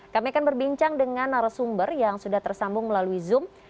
kami akan berbincang dengan narasumber yang sudah tersambung melalui zoom